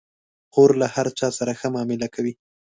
خور له هر چا سره ښه معامله کوي.